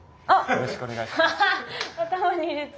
よろしくお願いします。